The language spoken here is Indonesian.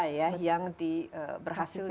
ya yang diberhasil